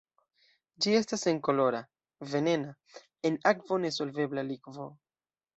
Ĝi estas senkolora, venena, en akvo nesolvebla likvo.